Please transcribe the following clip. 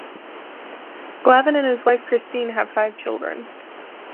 Glavine and his wife Christine have five children.